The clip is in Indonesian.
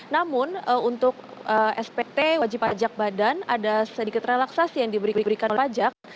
namun untuk spt wajib pajak badan ada sedikit relaksasi yang diberikan pajak